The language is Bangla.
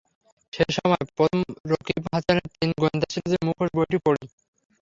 সেই সময় প্রথম রকিব হাসানের তিন গোয়েন্দা সিরিজের মুখোশ বইটি পড়ি।